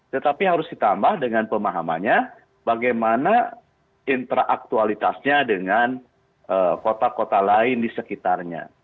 tetapi harus ditambah dengan pemahamannya bagaimana interaktualitasnya dengan kota kota lain di sekitarnya